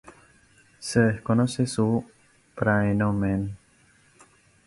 Se desconoce su "praenomen".